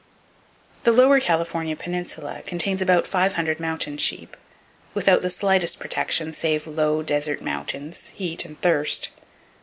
The Lower California peninsula contains about five hundred mountain sheep, without the slightest protection save low, desert mountains, heat and thirst.